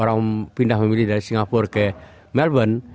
orang pindah memilih dari singapura ke melbourne